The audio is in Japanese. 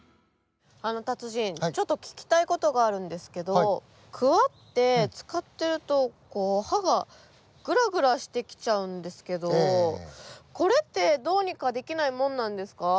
達人ちょっと聞きたい事があるんですけどクワって使ってるとこう刃がグラグラしてきちゃうんですけどこれってどうにかできないもんなんですか？